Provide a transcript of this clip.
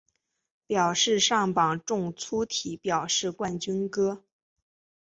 表示上榜中粗体表示冠军歌